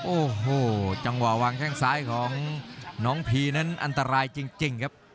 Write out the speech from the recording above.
โอ้โหจังหวะวางแข้งซ้ายของน้องพีนั้นอันตรายจริงครับ